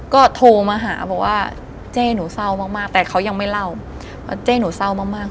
ก็โทรมาหาบอกว่าเจ๊หนูเศร้ามากมากแต่เขายังไม่เล่าเพราะเจ๊หนูเศร้ามากมาก